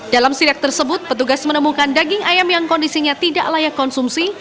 dalam sidak tersebut petugas menemukan daging ayam yang kondisinya tidak layak konsumsi